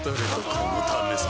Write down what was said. このためさ